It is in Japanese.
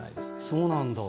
そうなんだ。